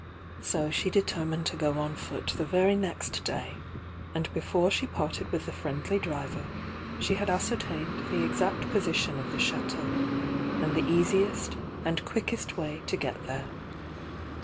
So she determined to go on foot the very next day; and before she parted with the friendly driver, she had ascertained the exact position of the Chateau, and the easiest and quickest way to get there.